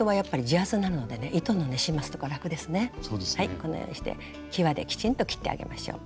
このようにしてきわできちんと切ってあげましょう。